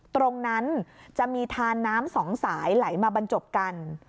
ตรงนั้นจะมีทานน้ำสองสายไหลมาบรรจบกัน